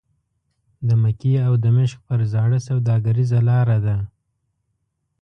د مکې او دمشق پر زاړه سوداګریزه لاره ده.